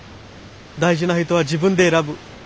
大事な人は自分で選ぶ。